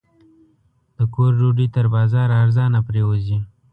د کور ډوډۍ تر بازاره ارزانه پرېوځي.